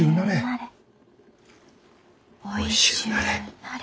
おいしゅうなれ。